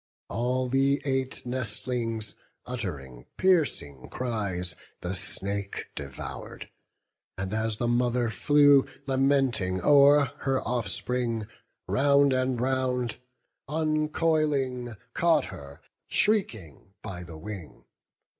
All the eight nestlings, utt'ring piercing cries, The snake devour'd; and as the mother flew, Lamenting o'er her offspring, round and round, Uncoiling, caught her, shrieking, by the wing.